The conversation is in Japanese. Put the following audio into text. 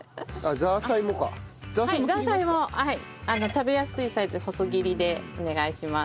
ザーサイも食べやすいサイズに細切りでお願いします。